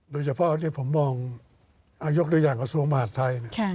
โดยเฉพาะอันนี้ผมมองอายุกตัวอย่างกระทรวงมหาสไทยเนี่ย